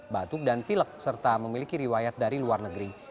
batuk dan pilek serta memiliki riwayat dari luar negeri